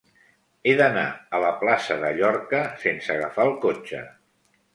He d'anar a la plaça de Llorca sense agafar el cotxe.